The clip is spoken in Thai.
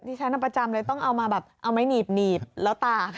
นี่ใช้นับประจำเลยต้องเอามาแบบเอาไหมหนีบแล้วตาก